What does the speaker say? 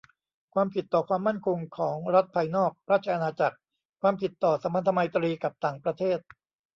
ความผิดต่อความมั่นคงของรัฐภายนอกราชอาณาจักร ความผิดต่อสัมพันธไมตรีกับต่างประเทศ